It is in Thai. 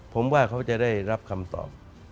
ผมว่าเขาจะได้รับคำตอบ